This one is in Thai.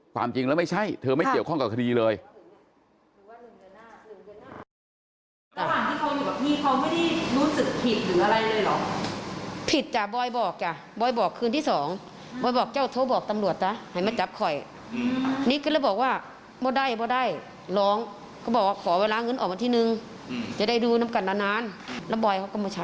ความจริงแล้วไม่ใช่เธอไม่เกี่ยวข้องกับคดีเลย